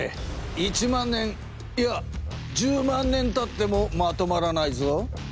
１万年いや１０万年たってもまとまらないぞ。